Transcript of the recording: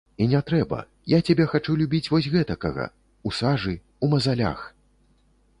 І не трэба, я цябе хачу любіць вось гэтакага, у сажы, у мазалях!